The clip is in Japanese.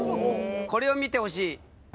これを見てほしい。